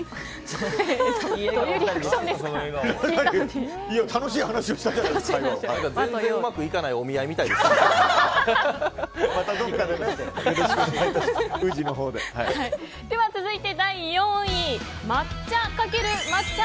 全然うまくいかないお見合いみたい。